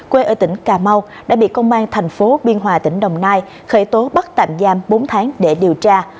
quê ở tỉnh cà mau đã bị công an thành phố biên hòa tỉnh đồng nai khởi tố bắt tạm giam bốn tháng để điều tra